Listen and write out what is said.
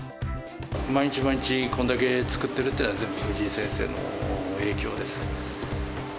毎日毎日、これだけ作ってるっていうのは、全部藤井先生の影響です。